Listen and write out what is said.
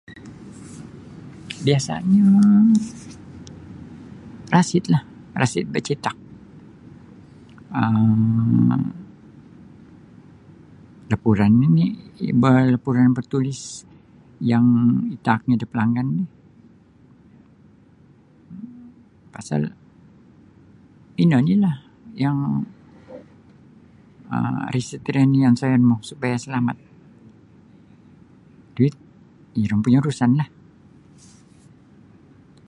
Biasanyo rasitlah rasit bacitak um laporan nini ba laporan bertulis yang itaaknyo da palamin ri pasal ino onilah yang resit ri onsoiyonmu supaya selamat duit iro ompunyo urusanlah.